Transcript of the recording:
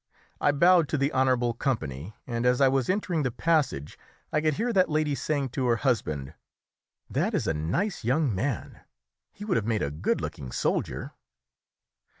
I bowed to the "honourable company," and as I was entering the passage I could hear that lady saying to her husband "That is a nice young man. He would have made a good looking soldier."